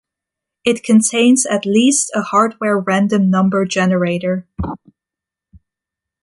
It contains at least a hardware random number generator.